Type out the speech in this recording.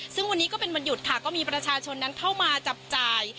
ซึ่งวันนี้ก็เป็นวันหยุดค่ะก็มีประชาชนนั้นเข้ามาจับจ่าย